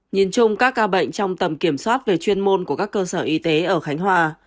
nhìn chung các ca bệnh trong tầm kiểm soát về chuyên môn của các cơ sở y tế ở khánh hòa